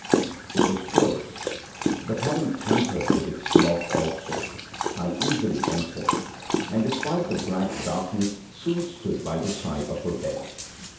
It was closed, but having tampered with its lock also, I easily entered, and despite the black darkness soon stood by the side of her bed.